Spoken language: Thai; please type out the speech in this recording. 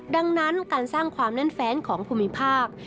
ดังนั้นการสร้างความแน่นแฟนของภูมิภาค